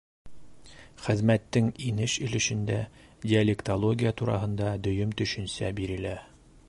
Хеҙмәттең инеш өлөшөндә диалектология тураһында дөйөм төшөнсә бирелә.